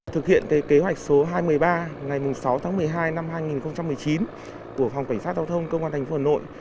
thực hiện kế hoạch số hai mươi ba ngày sáu tháng một mươi hai năm hai nghìn một mươi chín của phòng cảnh sát giao thông công an tp hà nội